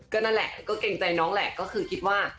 ก็นั่นแหละก็เกรงใจน้องแหละ